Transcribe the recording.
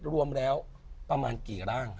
รวมแล้วประมาณกี่ร่าง